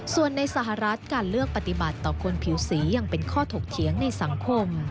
ส่วนในสหรัฐการเลือกปฏิบัติต่อคนผิวสียังเป็นข้อถกเถียงในสังคม